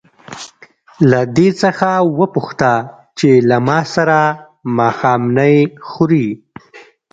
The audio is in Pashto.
له دې څخه وپوښته چې له ما سره ماښامنۍ خوري.